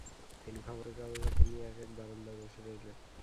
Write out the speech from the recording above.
তিনি খবরের কাগজ হাতে নিয়ে এক-এক বারান্দায় বসে রইলেন।